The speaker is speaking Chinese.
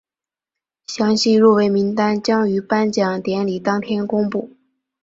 详细入围名单将于颁奖典礼当天公布。